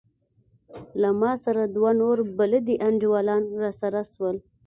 له ما سره دوه نور بلدي انډيوالان راسره سول.